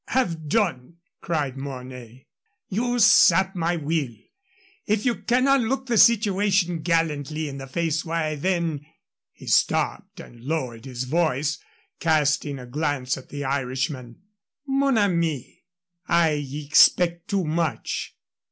have done!" cried Mornay. "You sap my will. If you cannot look the situation gallantly in the face, why, then " He stopped and lowered his voice, casting a glance at the Irishman. "Mon ami, I expect too much.